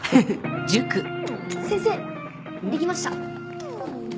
先生できました。